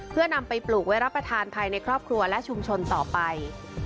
เพื่อนำไปปลูกไว้รับประทานภายในครอบครัวและชุมชนต่อไป